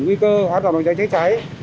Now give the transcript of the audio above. nguy cơ hoạt động phòng cháy chữa cháy